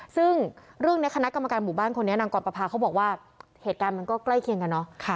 ซึ่งเรื่องนี้คณะกรรมการหมู่บ้านคนนี้นางกรประพาเขาบอกว่าเหตุการณ์มันก็ใกล้เคียงกันเนอะ